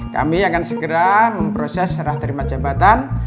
kami akan segera memproses serah terima jabatan